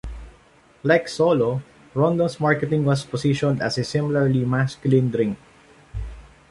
Like Solo, Rondo's marketing was positioned as a similarly masculine drink.